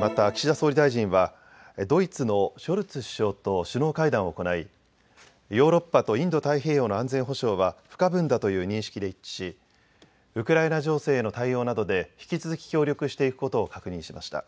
また岸田総理大臣はドイツのショルツ首相と首脳会談を行い、ヨーロッパとインド太平洋の安全保障は不可分だという認識で一致しウクライナ情勢への対応などで引き続き協力していくことを確認しました。